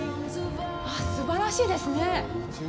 あっ、すばらしいですね。